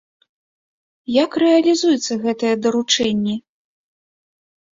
Як рэалізуюцца гэтыя даручэнні?